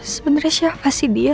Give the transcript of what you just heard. sebenernya siapa sih dia